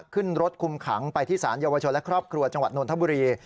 ขึ้นรถคุมขังไปที่สารเยาวชนและครอบครัวจังหวัดนทบุรี